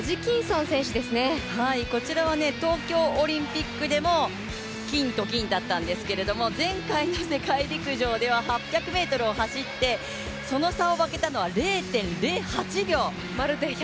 こちらは東京オリンピックでも金と銀だったんですけど前回の世界陸上では８００ｍを走って、その差を分けたのは０．０８秒。